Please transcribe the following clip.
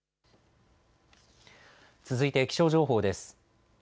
続いて気象情報です。